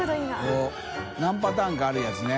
おっ何パターンかあるやつね。